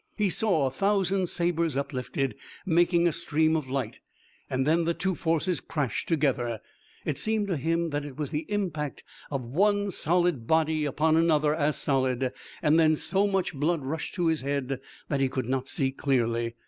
He saw a thousand sabers uplifted, making a stream of light, and then the two forces crashed together. It seemed to him that it was the impact of one solid body upon another as solid, and then so much blood rushed to his head that he could not see clearly.